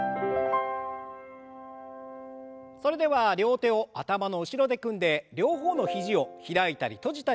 それでは両手を頭の後ろで組んで両方の肘を開いたり閉じたり動かします。